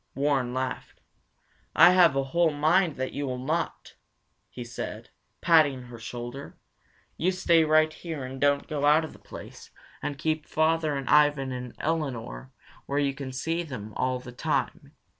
Warren laughed. "I have a whole mind that you will not!" he said, patting her shoulder. "You stay right here and don't go out of the place, and keep father and Ivan and Elinor where you can see them all the time.